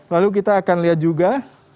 lalu kita akan lihat juga